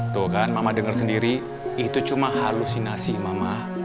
tuh kan mama dengar sendiri itu cuma halusinasi mama